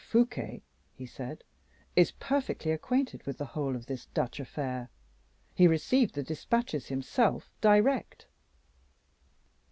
Fouquet," he said, "is perfectly acquainted with the whole of this Dutch affair he received the dispatches himself direct."